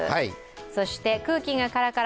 そして、空気がカラカラ！